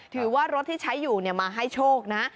ถือว่ารถที่ใช้อยู่มาให้โชคนะ